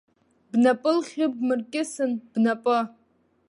Бнапы лхьыбмыркьысын, бнапы!